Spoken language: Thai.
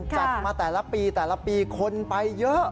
จัดมาแต่ละปีแต่ละปีคนไปเยอะ